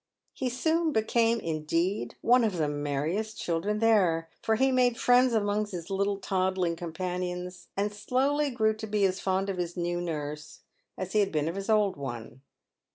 He soon became, indeed, one of the merriest of the children there, for he made friends among his little toddling companions, and slowly grew to be as fond of his new nurse as he had been of his old one.